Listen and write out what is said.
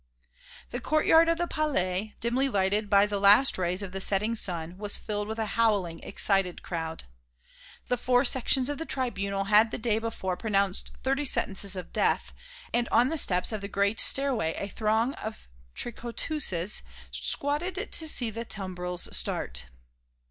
The courtyard of the Palais, dimly lighted by the last rays of the setting sun, was filled with a howling, excited crowd. The four sections of the Tribunal had the day before pronounced thirty sentences of death, and on the steps of the Great Stairway a throng of tricoteuses squatted to see the tumbrils start.